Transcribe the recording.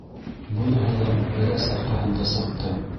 Быныһы ла бәрәс арҡаһында сыҡты.